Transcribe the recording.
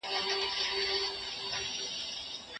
ایا ملي بڼوال وچ زردالو پلوري؟